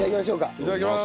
いただきます。